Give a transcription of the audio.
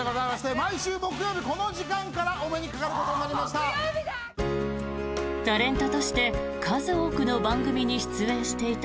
毎週木曜日、この時間からお目にかかることになりました。